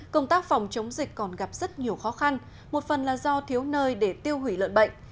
công tác phòng chống dịch còn gặp rất nhiều khó khăn một phần là do thiếu nơi để tiêu hủy lợn bệnh